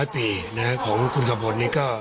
๑๐๐ปีของหุ้นกำพล